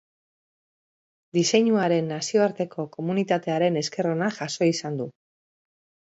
Diseinuaren nazioarteko komunitatearen esker ona jaso izan du.